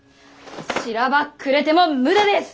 しらばっくれても無駄です！